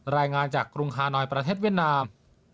รายงานจากกรุงฮานอยประเทศเวียดนาม